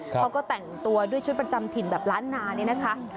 เขาก็แต่งตัวด้วยชุดประจำถิ่นแบบล้านนานี่นะคะ